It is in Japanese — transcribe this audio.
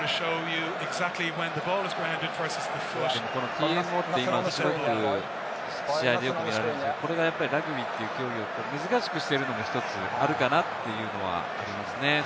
ＴＭＯって、今、すごく試合でよく見られますけれども、これがラグビーという競技を難しくしているのも１つあるかなというのはありますね。